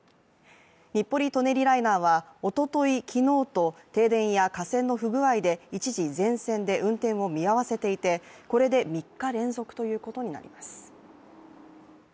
日暮里・舎人ライナーはおととい、昨日と停電や架線の不具合で一時、全線で運転を見合わせていてこれで３日連続ということになります。